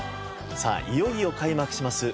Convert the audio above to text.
さあいよいよ開幕します